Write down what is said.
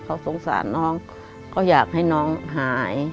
เขาสงสารน้องเขาอยากให้น้องหาย